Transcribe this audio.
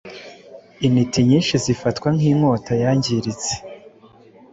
intiti nyinshi zifatwa nkinkota yangiritse